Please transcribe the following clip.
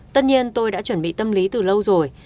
tất nhiên tôi đã chuẩn bị tâm lý từ lâu rồi